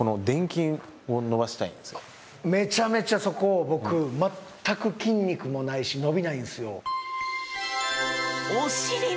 めちゃめちゃそこ僕全く筋肉もないし伸びないんですよ。